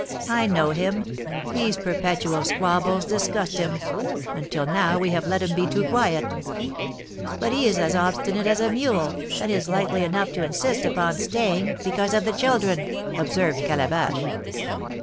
I know him; these perpetual squabbles disgust him; until now we have let him be too quiet." "But he is as obstinate as a mule, and is likely enough to insist upon staying, because of the children," observed Calabash.